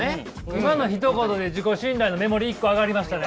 今のひと言で自己信頼の目盛り一個上がりましたね。